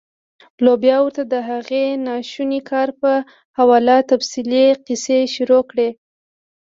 او بيا ورته د هغې ناشوني کار پۀ حواله تفصيلي قيصې شورو کړي -